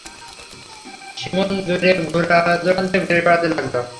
Simon দূর-দূরান্তে ঘুরে বেড়াতে লাগলো।